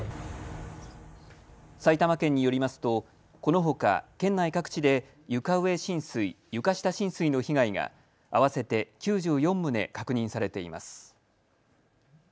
埼玉県によりますとこのほか県内各地で床上浸水、床下浸水の被害が合わせて９４棟確認されています。